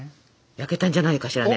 焼けたんじゃないかしらね。